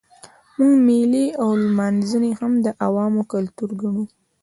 موږ مېلې او لمانځنې هم د عوامو کلتور ګڼو.